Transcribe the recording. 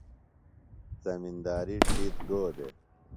زمنداری ڇھیتر گو دےۡ؟